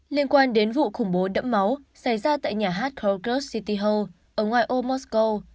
liên quan đến vụ khủng bố đẫm máu xảy ra tại nhà hát krodard city hall ở ngoài ô musco